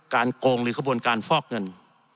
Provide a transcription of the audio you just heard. การโกงหรือกระบวนการฟอกเงิน